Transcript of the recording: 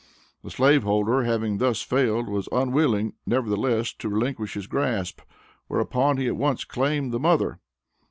The slave holder having thus failed, was unwilling, nevertheless, to relinquish his grasp. Whereupon he at once claimed the mother.